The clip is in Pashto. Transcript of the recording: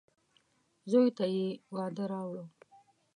زوی ته يې واده راووړ.